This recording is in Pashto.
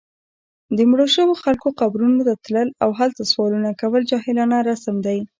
د مړو شوو خلکو قبرونو ته تلل، او هلته سوالونه کول جاهلانه رسم دی